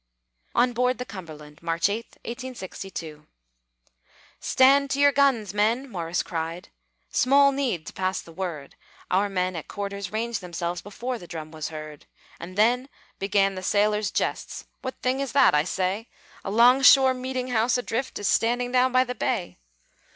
ON BOARD THE CUMBERLAND [March 8, 1862] "Stand to your guns, men!" Morris cried. Small need to pass the word; Our men at quarters ranged themselves, Before the drum was heard. And then began the sailors' jests: "What thing is that, I say?" "A long shore meeting house adrift Is standing down the bay!"